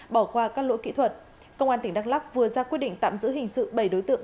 bỏ qua các lỗi kỹ thuật công an tỉnh đắk lắc vừa ra quyết định tạm giữ hình sự bảy đối tượng